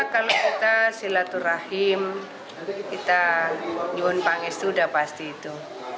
kalau kita silaturahim kita nyuhun pangis itu sudah pasti itu